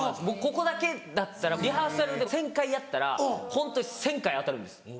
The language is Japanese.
僕ここだけだったらリハーサルでも１０００回やったらホントに１０００回当たるんです。